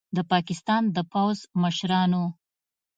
د پاکستان د پوځ مشرانو